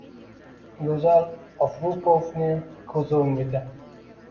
Go’zal Ovruponing ko’zi o’ngida